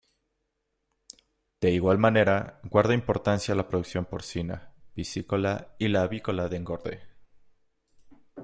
De igual manera guarda importancia la producción porcina, piscícola y la avícola de engorde.